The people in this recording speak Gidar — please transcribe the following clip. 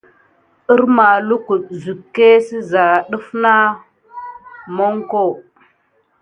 Hərma lukutu suke ziza siɗefet monko.